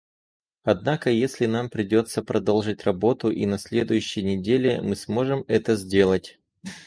Однако если нам придется продолжить работу и на следующей неделе, мы сможем это сделать.